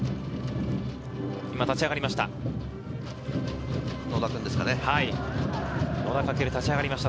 今立ち上がりました。